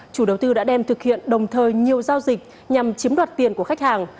chủ đầu tư đã đem thực hiện đồng thời nhiều giao dịch nhằm chiếm đoạt tiền của khách hàng